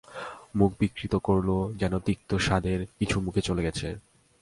মুখ বিকৃত করল, যেন তিক্ত স্বাদের কিছু মুখে চলে গিয়েছে।